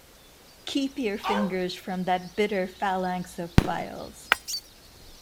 Keep your fingers from that bitter phalanx of vials.